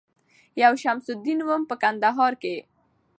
یو شمس الدین وم په کندهار کي